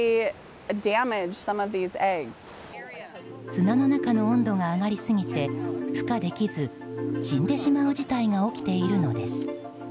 砂の中の温度が上がりすぎて孵化できず死んでしまう事態が起きているのです。